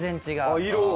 あっ色を？